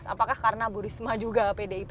apakah karena bu risma juga pdip